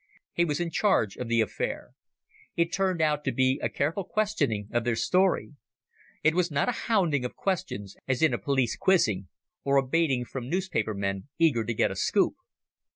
He was in charge of the affair. It turned out to be a careful questioning of their story. It was not a hounding of questions as in a police quizzing, or a baiting from newspapermen eager to get a scoop.